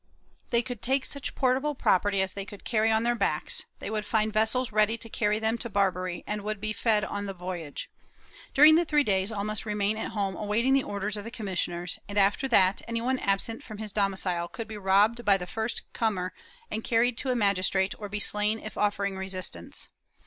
They could take such portable property as they could carry on their backs; they would find vessels ready to carry them to Barbary and would be fed on the voyage. During the three days all must remain at home awaiting the orders of the commissioners and, after that, any one absent from his domicile could be robbed by the first comer and carried to a magistrate or be slain if offering resistance.